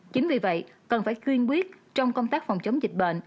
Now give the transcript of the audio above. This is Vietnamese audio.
chính vì vậy cần phải kiên quyết trong công tác phòng chống dịch bệnh